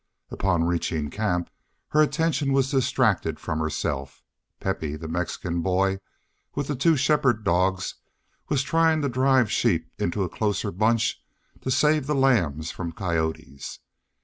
Upon reaching camp, her attention was distracted from herself. Pepe, the Mexican boy, with the two shepherd dogs, was trying to drive sheep into a closer bunch to save the lambs from coyotes.